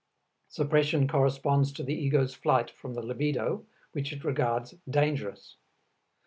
Suppression corresponds to the ego's flight from the libido, which it regards dangerous.